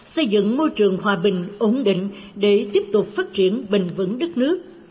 xây dựng môi trường hòa bình ổn định để tiếp tục phát triển bền vững đất nước